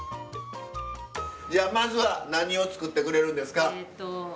じゃあまずは何を作ってくれるんですか？